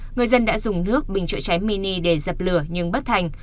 người dân đã dùng nước bình chữa cháy mini để dập lửa nhưng bất thành